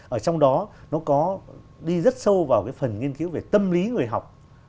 ở trong đó nó có đi rất sâu vào cái phần nghiên cứu về tâm lý người học